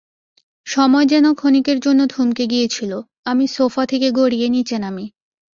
সময় যেন ক্ষণিকের জন্য থমকে গিয়েছিল, আমি সোফা থেকে গড়িয়ে নিচে নামি।